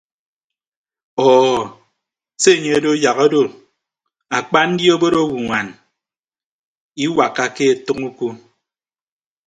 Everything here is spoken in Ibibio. Ọọ se enye odo yak odo akpa ndi obod owoñwan iwakkake ọtʌñ uko.